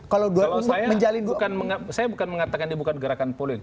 kalau saya bukan mengatakan ini bukan gerakan politik